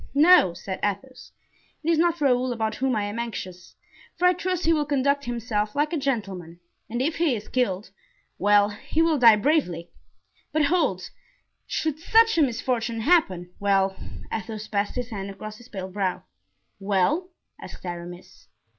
"No," said Athos, "it is not Raoul about whom I am anxious, for I trust he will conduct himself like a gentleman; and if he is killed—well, he will die bravely; but hold—should such a misfortune happen—well—" Athos passed his hand across his pale brow. "Well?" asked Aramis.